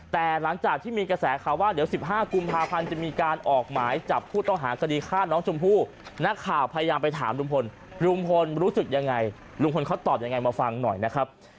แต่หลังจากที่มีกระแสข่าวว่าเดี๋ยว๑๕กุมภาพันธุ์จะมีการออกหมายจับผู้ตอบหา